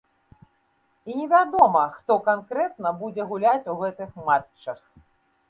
І невядома, хто канкрэтна будзе гуляць у гэтых матчах.